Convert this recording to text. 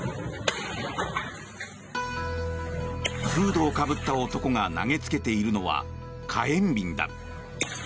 フードをかぶった男が投げつけているのは火炎瓶だ。